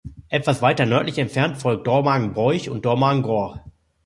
Etwas weiter nördlich entfernt folgen Dormagen-Broich und Dormagen-Gohr.